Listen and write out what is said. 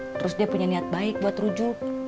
terus dia punya niat baik buat rujuk